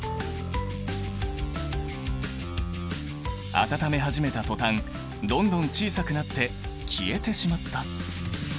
温め始めた途端どんどん小さくなって消えてしまった！